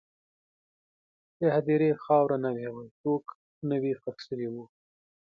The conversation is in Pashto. د هدیرې خاوره نوې وه، څوک نوی ښخ شوي وو.